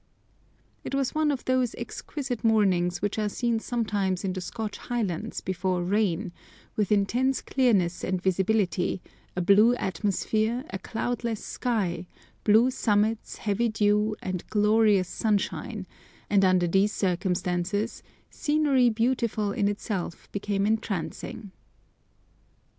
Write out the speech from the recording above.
It was one of those exquisite mornings which are seen sometimes in the Scotch Highlands before rain, with intense clearness and visibility, a blue atmosphere, a cloudless sky, blue summits, heavy dew, and glorious sunshine, and under these circumstances scenery beautiful in itself became entrancing.